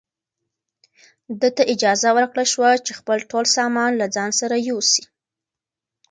ده ته اجازه ورکړل شوه چې خپل ټول سامان له ځان سره یوسي.